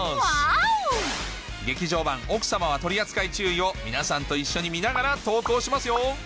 劇場版『奥様は、取り扱い注意』を皆さんと一緒に見ながら投稿しますよ！